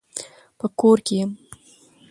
په کور کي يم .